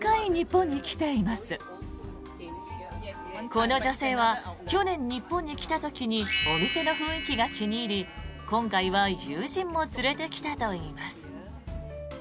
この女性は去年日本に来た時にお店の雰囲気が気に入り今回は友人も連れてきたといいます。